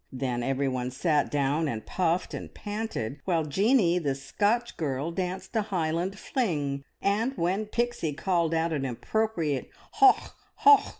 Then everyone sat down and puffed and panted, while Jeanie, the Scotch girl, danced a Highland Fling, and when Pixie called out an appropriate "Hoch! Hoch!"